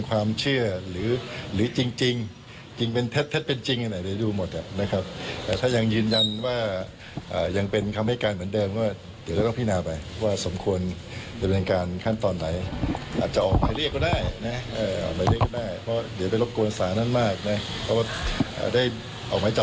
ความเชื่อหรือหรือจริงจริงจริงเป็นเท็จเท็จเป็นจริงอะไรดูหมดเนี่ยนะครับแต่ถ้ายังยืนยันว่าอ่ายังเป็นคำให้การเหมือนเดิมว่าเดี๋ยวจะต้องพินาไปว่าสมควรจะบรรยาการขั้นตอนไหนอาจจะออกไปเรียกก็ได้เนี่ยเอ่อออกไปเรียกก็ได้เพราะเดี๋ยวไปรบโกนสารนั้นมากเนี่ยเพราะว่า